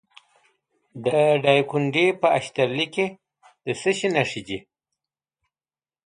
د دایکنډي په اشترلي کې د څه شي نښې دي؟